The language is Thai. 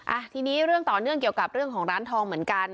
อ่ะทีนี้เรื่องต่อเนื่องเกี่ยวกับเรื่องของร้านทองเหมือนกัน